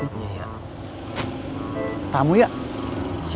itu udah dia apa yang ada disini